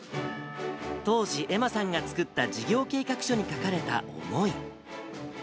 当時、愛茉さんが作った事業計画書に書かれた思い。